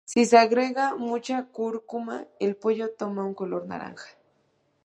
Si se agrega mucha cúrcuma el pollo toma un color naranja.